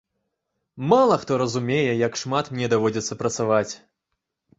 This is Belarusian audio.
Мала хто разумее, як шмат мне даводзіцца працаваць.